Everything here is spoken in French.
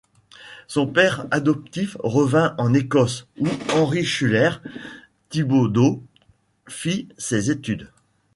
Son père adoptif revint en Écosse, où Henry Schuyler Thibodaux fit ses études.